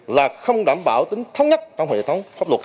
là không đảm bảo tính thống nhất trong hệ thống pháp luật